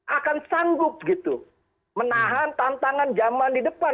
akan sanggup gitu menahan tantangan zaman di depan